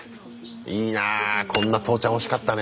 いいなこんな父ちゃん欲しかったね。